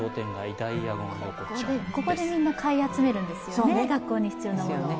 ここでみんな買い集めるんですよね、学校に必要なものを。